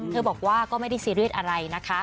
บอกว่าก็ไม่ได้ซีเรียสอะไรนะคะ